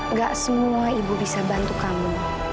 nggak semua ibu bisa bantu kamu